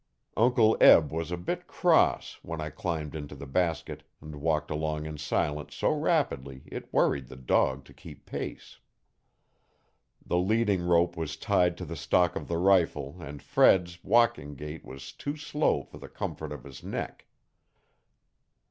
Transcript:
Uncle Eb was a bit cross, when I climbed into the basket, and walked along in silence so rapidly it worried the dog to keep pace. The leading rope was tied to the stock of the rifle and Fred's walking gait was too slow for the comfort of his neck.